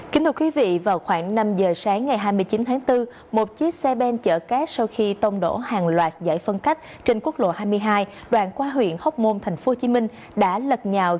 kính thưa quý vị vào khoảng năm giờ sáng ngày hai mươi chín tháng bốn một chiếc xe bên chở cát sau khi tông đổ hàng loạt giải phân cách trên quốc lộ hai mươi hai đoàn qua huyện hốc môn thành phố hồ chí minh